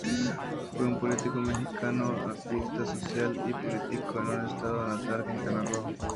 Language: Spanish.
Fue un político mexicano, activista social y político en su estado natal, Quintana Roo.